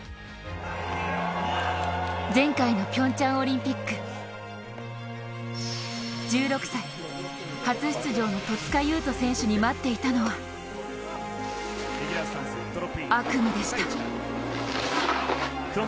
前回のピョンチャンオリンピック１６歳、初出場の戸塚優斗選手に待っていたのは悪夢でした。